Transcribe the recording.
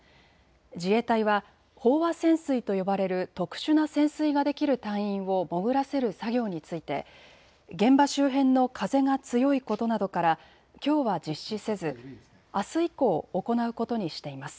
自衛隊は飽和潜水と呼ばれる特殊な潜水ができる隊員を潜らせる作業について現場周辺の風が強いことなどからきょうは実施せずあす以降、行うことにしています。